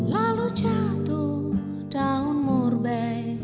lalu jatuh daun murbe